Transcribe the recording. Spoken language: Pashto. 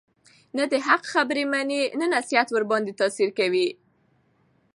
نه د حق خبره مني، نه نصيحت ورباندي تأثير كوي،